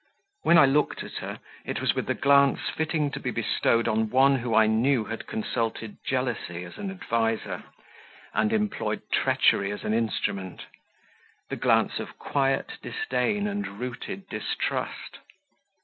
When I looked at her, it was with the glance fitting to be bestowed on one who I knew had consulted jealousy as an adviser, and employed treachery as an instrument the glance of quiet disdain and rooted distrust.